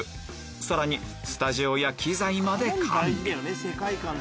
さらにスタジオや機材まで完備